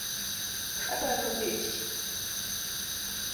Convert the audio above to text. Adwaro beti